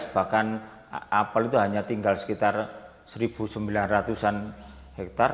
bahkan apel itu hanya tinggal sekitar satu sembilan ratus an hektare